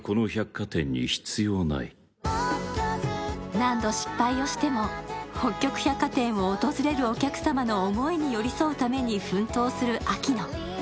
何度失敗をしても北極百貨店を訪れるお客様の思いに寄り添うために寄り添うために奮闘する秋乃。